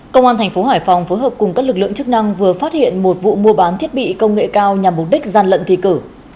công an thành phố hải phòng phối hợp cùng các lực lượng chức năng vừa phát hiện một vụ mua bán thiết bị công nghệ cao nhằm mục đích gian lận thi cử